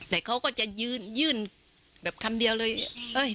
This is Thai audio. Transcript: แต่เขาก็จะยื่นยื่นแบบคำเดียวเลย